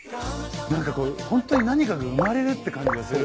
何かこうホントに何かが生まれるって感じがする。